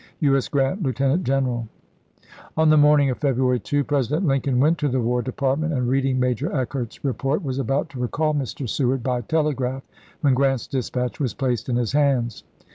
U. S. Grant, Lieut. General. ms. On the morning of February 2, President Lin i865. coin went to the War Department, and, reading Major Eckert's report, was about to recall Mr. Seward by telegraph, when Grant's dispatch was placed in his hands.